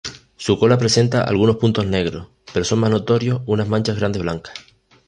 Su cola presenta algunos puntos negros, pero son más notorios unas manchas grandes blancas.